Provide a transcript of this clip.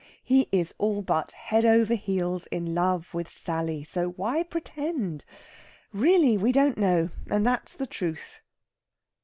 He is all but head over ears in love with Sally so why pretend? Really, we don't know and that's the truth.